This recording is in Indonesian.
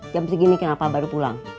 jam segini kenapa baru pulang